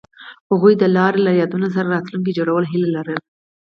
هغوی د لاره له یادونو سره راتلونکی جوړولو هیله لرله.